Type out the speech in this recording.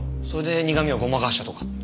それで苦味をごまかしたとか。